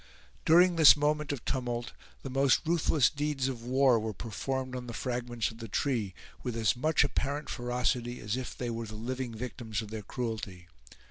During this moment of tumult, the most ruthless deeds of war were performed on the fragments of the tree, with as much apparent ferocity as if they were the living victims of their cruelty.